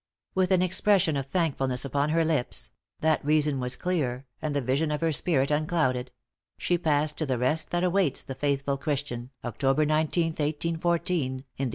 With an expression of thankfulness upon her lips that reason was clear, and the vision of her spirit unclouded she passed to the rest that awaits the faithful Christian, October 19th, 1814, in the eighty seventh year of her age.